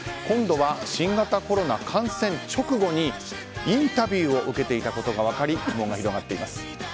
今度は新型コロナ感染直後にインタビューを受けていたことが分かり波紋が広がっています。